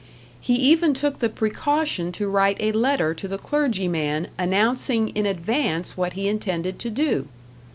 He even took the precaution to write a letter to the clergyman announcing in advance what he intended to do!